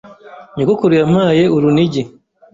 Nyogokuru yampaye urunigi.